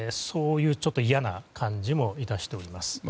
そういう嫌な感じも致しております。